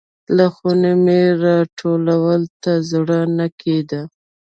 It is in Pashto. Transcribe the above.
له خونې مې راوتلو ته زړه نه کیده.